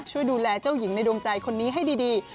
ช่วยดูแลเจ้าหญิงในดวงใจคนนี้ให้ดี